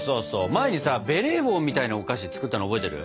前にさベレー帽みたいなお菓子作ったの覚えてる？